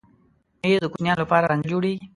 مېز د کوچنیانو لپاره رنګه جوړېږي.